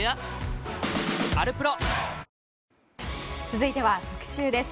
続いては特集です。